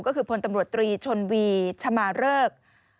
ก็คือพลตำรวจตรีชนวีชมาเริก